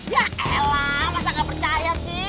yaelah masa gak percaya sih